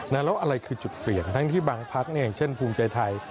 แล้วอะไรคือจุดเปลี่ยนทั้งที่บางพักเช่นภูมิใจไทย